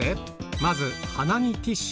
まず鼻にティッシュ。